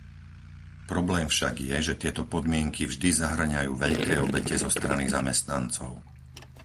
Problém však je, že tieto podmienky vždy zahŕňajú veľké obete zo strany zamestnancov.